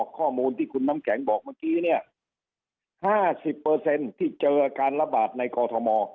ข้อมูลที่คุณน้ำแข็งบอกเมื่อกี้เนี่ยห้าสิบเปอร์เซ็นต์ที่เจอการระบาดในกอทอมอ